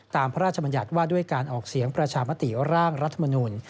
พระราชบัญญัติว่าด้วยการออกเสียงประชามติร่างรัฐมนุน